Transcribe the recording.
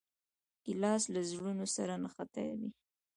ګیلاس له زړونو سره نښتي وي.